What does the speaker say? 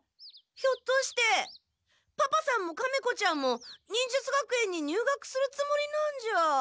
ひょっとしてパパさんもカメ子ちゃんも忍術学園に入学するつもりなんじゃあ。